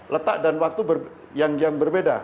letak dan waktu yang berbeda